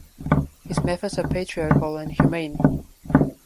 His methods are patriarchal and humane.